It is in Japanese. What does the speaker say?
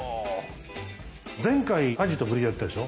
前回アジとブリやったでしょ。